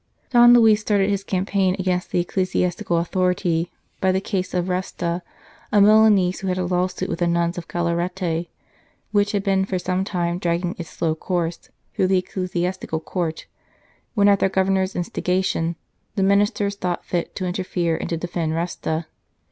Don Luis started his campaign against the ecclesiastical authority by the case of Resta, a Milanese who had a lawsuit with the nuns of Galarete which had been for some time dragging its slow course through the Ecclesiastical Court, when at their Governor s instigation the ministers thought fit to interfere and to defend Resta.